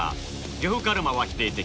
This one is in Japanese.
呂布カルマは「否定的」